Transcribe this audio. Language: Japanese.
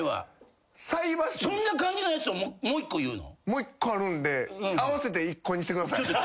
もう１個あるんで合わせて１個にしてください。